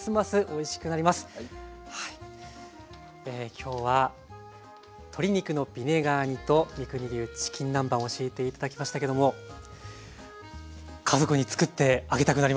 今日は鶏肉のビネガー煮と三國流チキン南蛮教えて頂きましたけども家族につくってあげたくなりました。